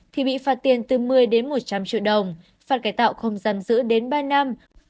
thì bị phạt tiền từ một mươi đến một trăm linh triệu đồng phạt cải tạo không giam giữ đến ba năm